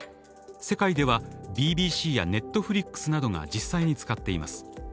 世界ではＢＢＣやＮｅｔｆｌｉｘなどが実際に使っています。